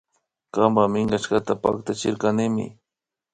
Kanpa minkashkata paktachirkanimi